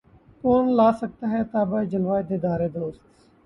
کون لا سکتا ہے تابِ جلوۂ دیدارِ دوست